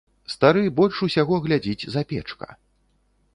Стары больш усяго глядзіць запечка.